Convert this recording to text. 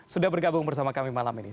sudah bergabung bersama kami malam ini